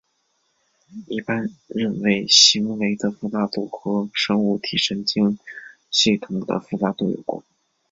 一般认为行为的复杂度和生物体神经系统的复杂度有关。